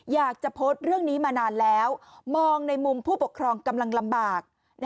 อยากจะโพสต์เรื่องนี้มานานแล้วมองในมุมผู้ปกครองกำลังลำบาก